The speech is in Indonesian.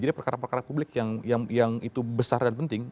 jadi perkara perkara publik yang itu besar dan penting